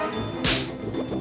mau kasih tas